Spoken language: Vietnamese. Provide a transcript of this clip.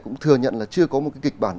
cũng thừa nhận là chưa có một cái kịch bản